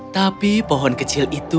tapi pohon kecil itu